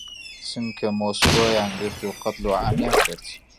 چونکە مۆسکۆیان گرت و قەتڵ و عامیان کرد.